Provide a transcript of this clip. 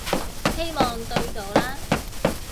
希望對到啦